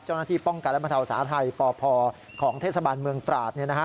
เจ้าหน้าที่ป้องกันและบรรเทาสาธัยปพของเทศบาลเมืองตราด